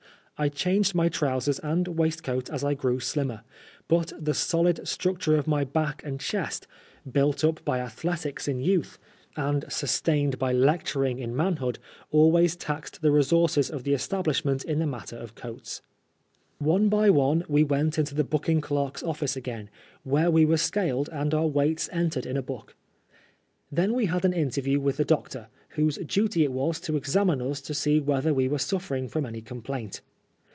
I changed my trousers and waistcoat as I grew slimmer, but the solid structure of my back and chest (built up by athletics in youth HOLLOWAT OAOL. 119 and sustained by leotnring in manhood) always taxed the resonrces of the establishment in the matter of coats. One by one we went into the booking clerk's office ac^n, where we were scaled and our weights entered in a book. Then we had an interview with the doctor, whose duty it was to examine ns to see whether we were snffering from any complaint.